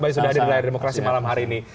baik sudah hadir di layar demokrasi malam hari ini